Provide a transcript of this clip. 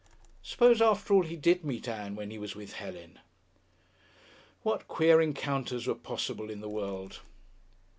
Suppose, after all, he did meet Ann when he was with Helen! What queer encounters were possible in the world!